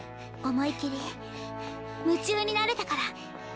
思い切り夢中になれたから。